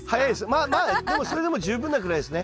まあまあでもそれでも十分なぐらいですね。